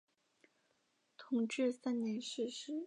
同治三年逝世。